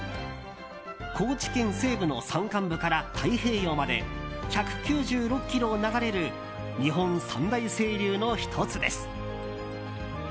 高知県西部の山間部から太平洋まで１９６ｋｍを流れる日本三大清流の１つです。